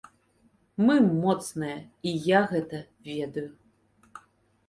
Мы моцныя, і я гэта ведаю.